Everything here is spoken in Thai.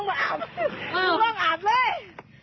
จับแม่งนี้